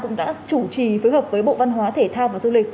cũng đã chủ trì phối hợp với bộ văn hóa thể thao và du lịch